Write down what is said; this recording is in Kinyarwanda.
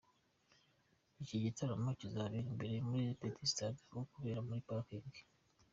Iki gitaramo kizabera imbere muri Petit Stade aho kubera muri Parking.